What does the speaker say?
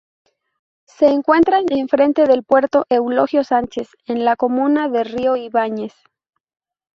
Se encuentran en frente del Puerto Eulogio Sánchez en la comuna de Río Ibáñez.